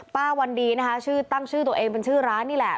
ป้าวันดีตั้งชื่อตัวเองเป็นชื่อร้านนี่แหละ